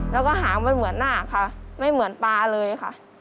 แล้วก็หางมันเหมือนหน้าค่ะไม่เหมือนปลาเลยค่ะ